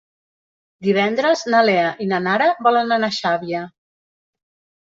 Divendres na Lea i na Nara volen anar a Xàbia.